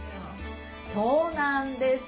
そうなんです。